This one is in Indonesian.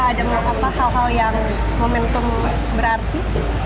ada apa apa hal hal yang momentum berarti